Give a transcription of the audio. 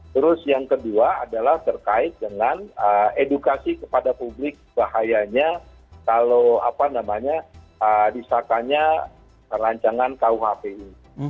terus yang kedua adalah terkait dengan edukasi kepada publik bahayanya kalau apa namanya disahkannya rancangan kuhp ini